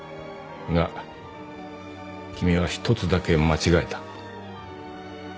が君は一つだけ間違えた。